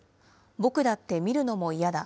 僕だって見るのも嫌だ。